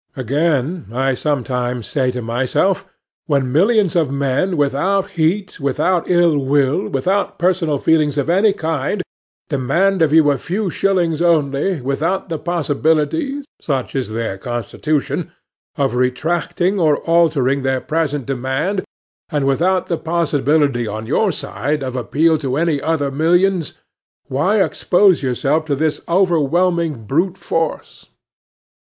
Again, I sometimes say to myself, When many millions of men, without heat, without ill will, without personal feeling of any kind, demand of you a few shillings only, without the possibility, such is their constitution, of retracting or altering their present demand, and without the possibility, on your side, of appeal to any other millions, why expose yourself to this overwhelming brute force?